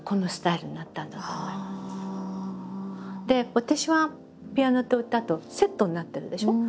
私はピアノと歌とセットになってるでしょ。